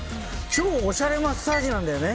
超おしゃれマッサージなんだよね。